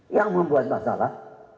yang membuat masalah